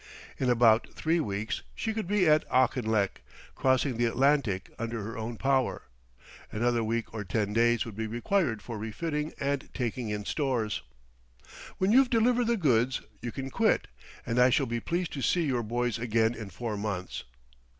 In about three weeks she could be at Auchinlech, crossing the Atlantic under her own power. Another week or ten days would be required for refitting and taking in stores. "When you've delivered the goods you can quit, and I shall be pleased to see your boys again in four months."